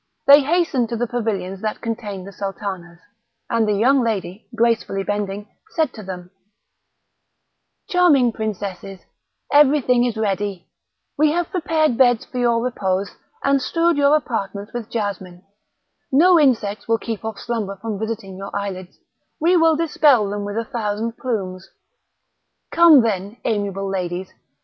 They hastened to the pavilions that contained the sultanas, and the young lady, gracefully bending, said to them: "Charming Princesses, everything is ready; we have prepared beds for your repose, and strewed your apartments with jasmine; no insects will keep off slumber from visiting your eyelids, we will dispel them with a thousand plumes; come then, amiable ladies!